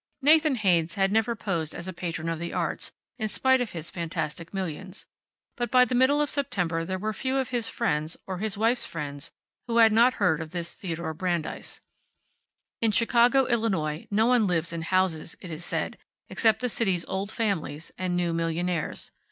Nathan Haynes had never posed as a patron of the arts, in spite of his fantastic millions. But by the middle of September there were few of his friends, or his wife's friends, who had not heard of this Theodore Brandeis. In Chicago, Illinois, no one lives in houses, it is said, except the city's old families, and new millionaires.